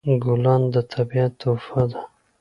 ګلان د طبیعت تحفه ده.